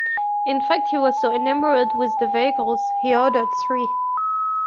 In fact, he was so enamoured with the vehicles, he ordered three.